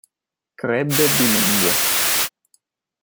Crebbe bilingue.